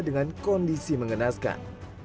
dengan kondisi mengenaskan